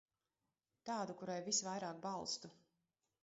Tādu, kurai visvairāk balstu.